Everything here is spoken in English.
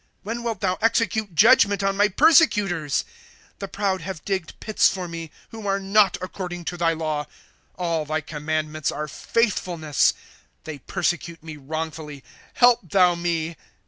When wilt thou execute judgment on my persecutors ?^ The proud have digged pits for mo, Who are not according to thy law. ^ All thy commandments are faithfulness ; They persecute me wrongfully ; help thou me.